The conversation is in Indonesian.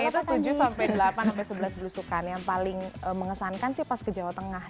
ternyata tujuh sampai delapan sebelas belusukan yang paling mengesankan sih pas ke jawa tengah